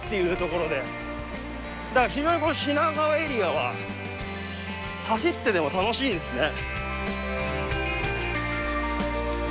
だから非常に品川エリアは走ってても楽しいんですね。